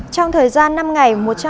trong thời gian năm ngày